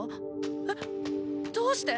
えっどうして？